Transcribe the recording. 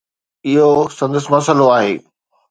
اهو سندس مسئلو آهي.